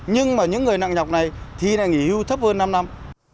nhưng mà những người nặng nhọc này thì lại nghỉ hưu thấp hơn năm năm